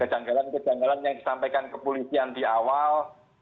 kejanggalan kejanggalan yang disampaikan kepolisian di awal